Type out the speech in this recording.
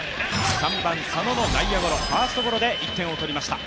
看板佐野の内野ゴロファーストゴロで１点を取りました